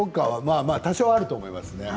多少あると思います。